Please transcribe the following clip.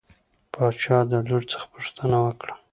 باچا د لور څخه پوښتنه وکړه.